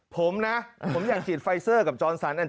ผมนะผมอยากฉีดไฟเซอร์กับจรสันเนี่ย